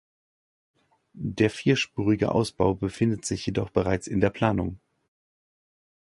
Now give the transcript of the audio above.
Der vierspurige Ausbau befindet sich jedoch bereits in der Planung.